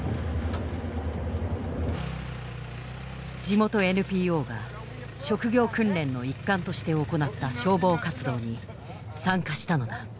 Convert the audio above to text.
地元ＮＰＯが職業訓練の一環として行った消防活動に参加したのだ。